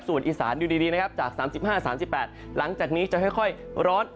ส่วนอีสานอยู่ดีจาก๓๕๓๘หลังจากนี้จะค่อยร้อน